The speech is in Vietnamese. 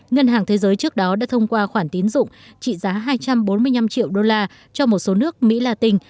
ngân hàng thế giới trước đó đã thông qua khoản tiến dụng trị giá hai trăm bốn mươi năm triệu đô la cho một số nước mỹ latin